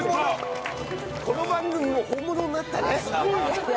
この番組も本物になったね。